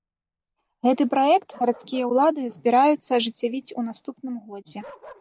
Гэты праект гарадскія ўлады збіраюцца ажыццявіць у наступным годзе.